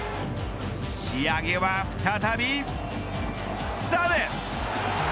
仕上げは再びサネ。